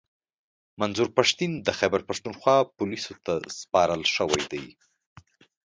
منظور پښتین د خیبرپښتونخوا پوليسو ته سپارل شوی دی